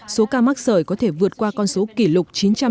số ca mắc sởi có thể vượt qua con số kỷ lục